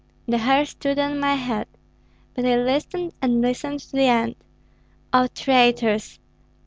The hair stood on my head, but I listened and listened to the end. O traitors!